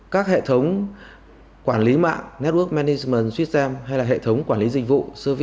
các hệ thống quản lý mạng network management system hay là hệ thống quản lý dịch vụ service management